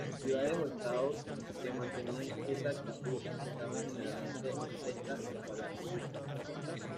Ciudades o estados que mantenían esa actitud estaban, generalmente, exentas de pagar tributo.